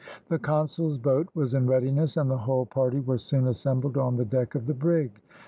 The consul's boat was in readiness, and the whole party were soon assembled on the deck of the brig.